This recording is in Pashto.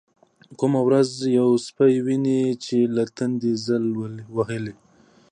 کومه ورځ يو سپى ويني چې له تندې ځل وهلى.